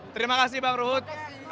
terima kasih bang rud